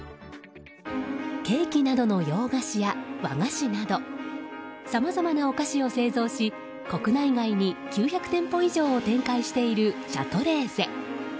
ケーキなどの洋菓子や和菓子などさまざまなお菓子を製造し国内外に９００店舗以上を展開している、シャトレーゼ。